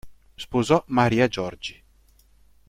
Sposò Maria Giorgi.